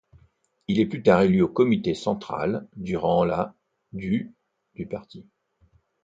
Il est plus tard élu au comité central durant la du du Parti.